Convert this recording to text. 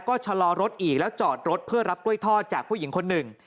ก็ชะลอรถอีกแล้วจอดรถเพื่อรับกล้วยทอดจากผู้หญิงคนหนึ่ง